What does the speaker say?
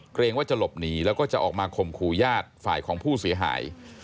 เกรงว่าจะหลบหนีแล้วก็จะออกมาข่มขู่ญาติฝ่ายของผู้เสียหาย